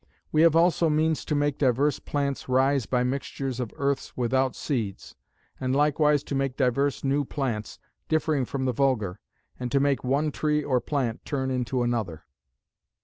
"We have also means to make divers plants rise by mixtures of earths without seeds; and likewise to make divers new plants, differing from the vulgar; and to make one tree or plant turn into another.